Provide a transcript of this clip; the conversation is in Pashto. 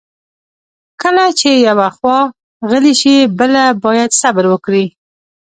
کله چې یوه خوا غلې شي، بله باید صبر وکړي.